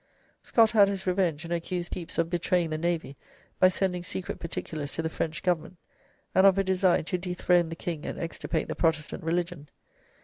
Scott had his revenge, and accused Pepys of betraying the Navy by sending secret particulars to the French Government, and of a design to dethrone the king and extirpate the Protestant religion.